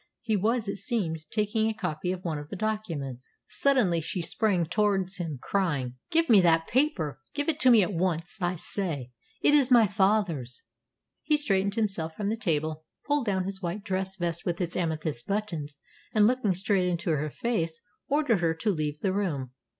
He was, it seemed, taking a copy of one of the documents. Suddenly she sprang towards him, crying, "Give me that paper! Give it to me at once, I say! It is my father's." He straightened himself from the table, pulled down his white dress vest with its amethyst buttons, and, looking straight into her face, ordered her to leave the room.